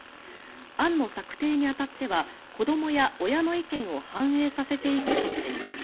案の策定に当たっては子どもや親の意見を反映させていくとしています。